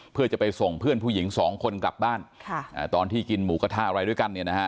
เพื่อจะไปส่งเพื่อนผู้หญิงสองคนกลับบ้านตอนที่กินหมูกระทะอะไรด้วยกันเนี่ยนะฮะ